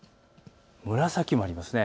紫もありますね。